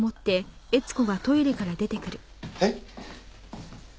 えっ？